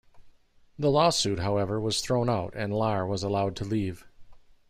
The lawsuit, however, was thrown out and Lahr was allowed to leave.